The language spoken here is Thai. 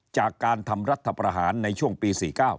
จากการทำรัฐประหารในช่วงปี๔๙